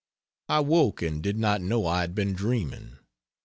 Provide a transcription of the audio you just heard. I woke and did not know I had been dreaming.